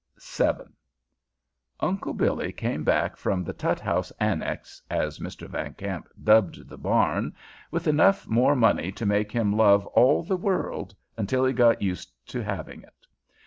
VII Uncle Billy came back from the "Tutt House Annex," as Mr. Van Kamp dubbed the barn, with enough more money to make him love all the world until he got used to having it.